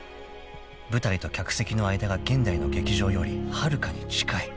［舞台と客席の間が現代の劇場よりはるかに近い］